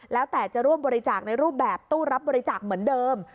แล้วแต่จะร่วมบริจาคในรูปแบบตู้รับบริจาคเหมือนเดิม